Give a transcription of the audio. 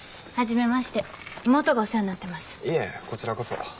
いえこちらこそ。